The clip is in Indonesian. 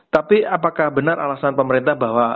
tapi apakah benar alasan pemerintah bahwa